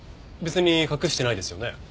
別に隠してないですよね